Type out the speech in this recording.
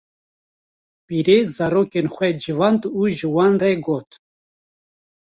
pîrê zarokên xwe civand û ji wan re got: